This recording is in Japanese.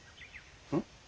うん？